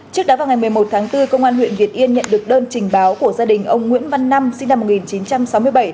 trước đó vào ngày một mươi một tháng bốn công an huyện việt yên nhận được đơn trình báo của gia đình ông nguyễn văn năm sinh năm một nghìn chín trăm sáu mươi bảy